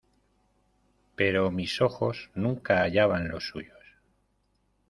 pero mis ojos nunca hallaban los suyos.